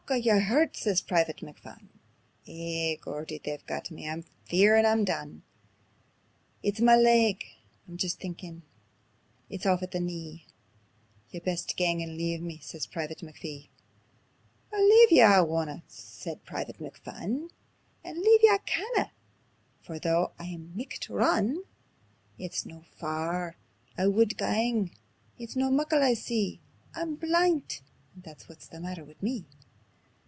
Are ye hurtit?" says Private McPhun. "Ay, Geordie, they've got me; I'm fearin' I'm done. It's ma leg; I'm jist thinkin' it's aff at the knee; Ye'd best gang and leave me," says Private McPhee. "Oh leave ye I wunna," says Private McPhun; "And leave ye I canna, for though I micht run, It's no faur I wud gang, it's no muckle I'd see: I'm blindit, and that's whit's the maitter wi' me."